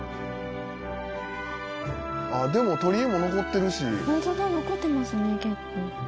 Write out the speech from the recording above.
「でも鳥居も残ってるし」「ホントだ残ってますね結構」